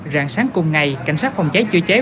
rạng sáng cùng ngày cảnh sát phòng cháy chữa cháy